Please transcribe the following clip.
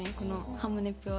『ハモネプ』は。